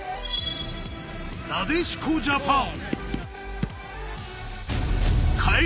なでしこジャパン。